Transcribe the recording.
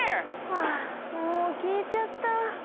はあもうきえちゃった。